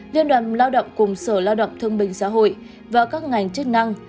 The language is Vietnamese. liên đoàn lao động cùng sở lao động thương bình xã hội và các ngành chức năng